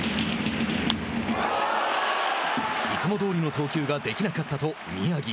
いつもどおりの投球ができなかったと宮城。